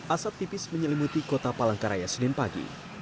asap tipis menyelimuti kota palangkaraya senin pagi